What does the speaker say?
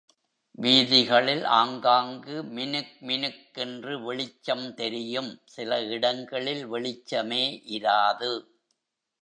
வீதிகளில் ஆங்காங்கு மினுக் மினுக் கென்று வெளிச்சம் தெரியும், சில இடங்களில் வெளிச்சமே இராது.